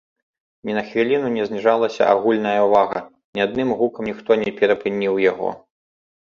Ні на хвіліну не зніжалася агульная ўвага, ні адным гукам ніхто не перапыніў яго.